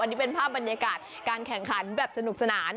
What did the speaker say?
นี่เป็นภาพบรรยากาศการแข่งขันแบบสนุกสนาน